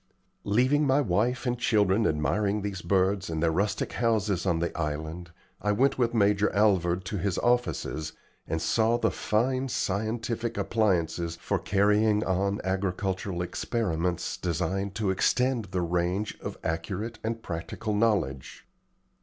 Leaving my wife and children admiring these birds and their rustic houses on the island, I went with Major Alvord to his offices, and saw the fine scientific appliances for carrying on agricultural experiments designed to extend the range of accurate and practical knowledge.